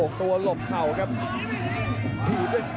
ขวางแขงขวาเจอเททิ้ง